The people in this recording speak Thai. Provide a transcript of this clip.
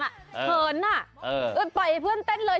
เขินอ่ะไปเพื่อนเต้นเลย